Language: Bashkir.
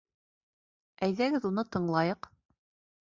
Әйҙәгеҙ уны тыңлайыҡ